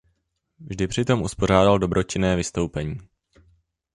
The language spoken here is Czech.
Vždy přitom uspořádal dobročinné vystoupení.